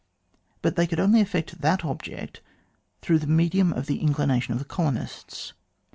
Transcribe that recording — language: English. But they could only effect that object through the medium of the inclination of the colonists.